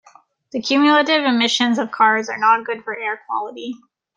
The cumulative emissions of cars are not good for air quality.